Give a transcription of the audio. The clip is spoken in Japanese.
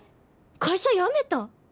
会社辞めた！？